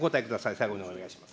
最後にお願いします。